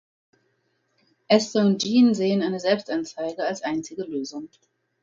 Esther und Jean sehen eine Selbstanzeige als einzige Lösung.